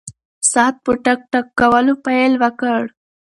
ساعت په ټک ټک کولو پیل وکړ.